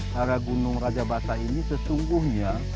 haragunung rajabasa ini sesungguhnya